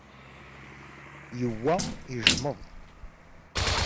Yuba yejmeḍ.